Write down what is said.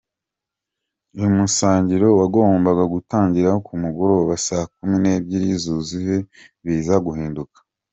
Uyu musangiro wagombaga gutangira ku mugoroba saa kumi n’ebyiri zuzuye, biza guhinduka.